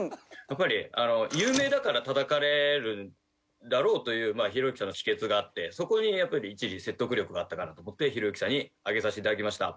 やっぱり有名だから叩かれるんだろうというひろゆきさんの帰結があってそこにやっぱり一理説得力があったかなと思ってひろゆきさんに上げさせて頂きました。